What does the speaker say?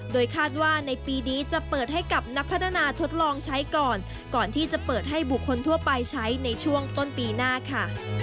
โดยคาดว่าในปีนี้จะเปิดให้กับนักพัฒนาทดลองใช้ก่อนก่อนที่จะเปิดให้บุคคลทั่วไปใช้ในช่วงต้นปีหน้าค่ะ